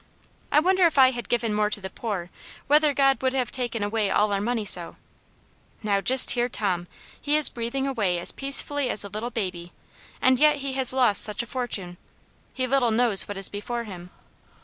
I wonder if I had given more to the poor, whether God would have taken away all our money so } Now, just hear Tom ! He is breath ing away as peacefully as a little baby, and yet he has lost such a fortune I He little knows what is before him."